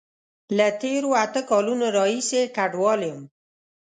له تیرو اته کالونو راهیسی کډوال یم